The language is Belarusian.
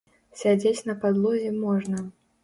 Сядзець на падлозе можна.